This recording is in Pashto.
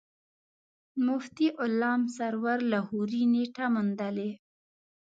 مفتي غلام سرور لاهوري نېټه موندلې.